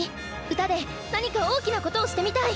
歌で何か大きなことをしてみたい。